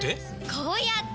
こうやって！